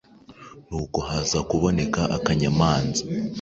Nuko haza kuboneka akanyamanza